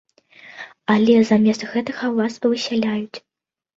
Але замест гэтага вас высяляюць.